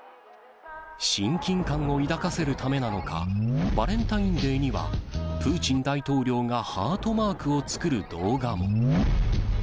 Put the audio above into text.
親近感を抱かせるためなのか、バレンタインデーにはプーチン大統領がハートマークを作る動画も。